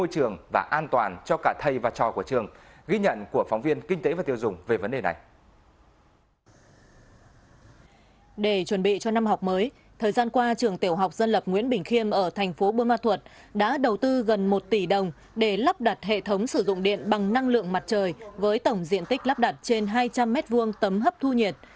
để chuẩn bị cho năm học mới thời gian qua trường tiểu học dân lập nguyễn bình khiêm ở tp buôn ma thuột đã đầu tư gần một tỷ đồng để lắp đặt hệ thống sử dụng điện bằng năng lượng mặt trời với tổng diện tích lắp đặt trên hai trăm linh m hai tấm hấp thu nhiệt